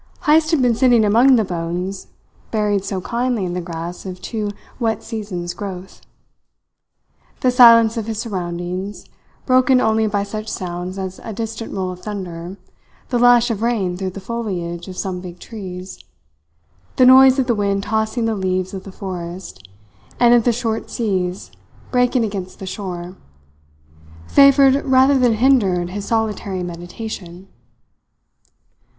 Heyst had been sitting among the bones buried so kindly in the grass of two wet seasons' growth. The silence of his surroundings, broken only by such sounds as a distant roll of thunder, the lash of rain through the foliage of some big trees, the noise of the wind tossing the leaves of the forest, and of the short seas breaking against the shore, favoured rather than hindered his solitary meditation.